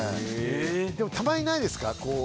でもたまにないですか？